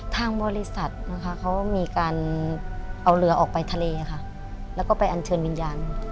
ทางบริษัทนะคะเขามีการเอาเรือออกไปทะเลค่ะแล้วก็ไปอันเชิญวิญญาณ